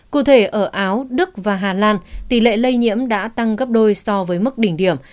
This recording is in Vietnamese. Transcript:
cụ thể ở áo đức và hà lan tỷ lệ lây nhiễm đã tăng gấp đôi so với mức đỉnh điểm